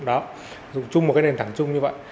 dùng chung một cái nền tảng chung như vậy